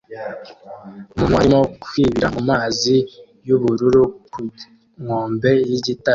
Umuntu arimo kwibira mumazi yubururu ku nkombe yigitare